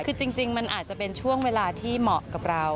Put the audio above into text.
คือจริงมันอาจจะเป็นช่วงเวลาที่เหมาะกับเรา